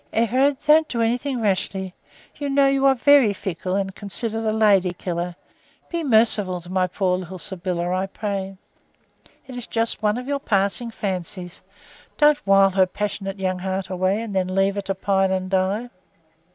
"Everard, don't do anything rashly. You know you are very fickle and considered a lady killer be merciful to my poor little Sybylla, I pray. It is just one of your passing fancies. Don't wile her passionate young heart away and then leave her to pine and die."